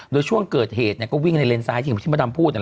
โดยช่วงเกิดเหตุด้วยไว้แล้วก็วิ่งในเรนท์ซ้ำถึงจริงพี่อุ๋น่ำพูดเนี่ย